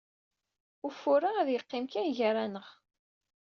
Ufur-a ad yeqqim kan gar-aneɣ.